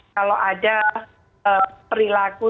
kalau ada perilaku